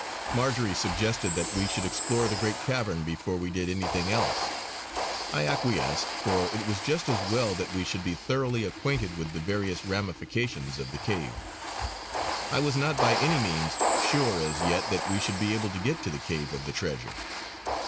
Marjory suggested that we should explore the great cavern before we did anything else. I acquiesced, for it was just as well that we should be thoroughly acquainted with the various ramifications of the cave. I was not by any means sure as yet that we should be able to get to the cave of the treasure.